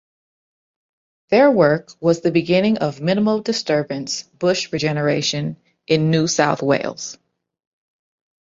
Their work was the beginning of minimal disturbance bush regeneration in New South Wales.